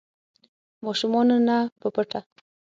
ماشومانو نه په پټه